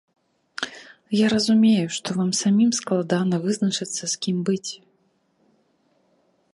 Я разумею, што вам самім складана вызначыцца, з кім быць.